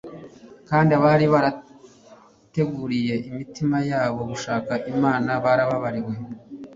kandi abari barateguriye imitima yabo gushaka imana barababariwe